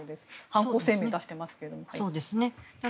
犯行声明を出してますけど。